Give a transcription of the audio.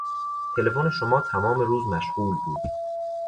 تلفن شما تمام روز مشغول بود.